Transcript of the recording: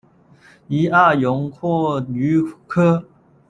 拟阿勇蛞蝓科。